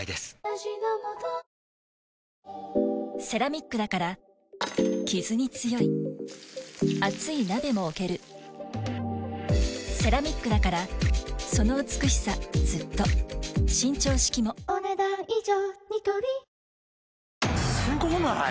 セラミックだからキズに強い熱い鍋も置けるセラミックだからその美しさずっと伸長式もお、ねだん以上。